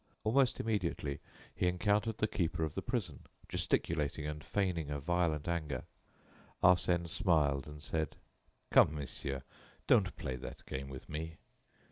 Almost immediately he encountered the keeper of the prison, gesticulating and feigning a violent anger. Arsène smiled and said: "Come, monsieur, don't play that game with me.